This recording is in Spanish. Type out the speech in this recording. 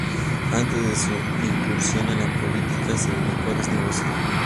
Antes de su incursión en la política se dedicó a los negocios.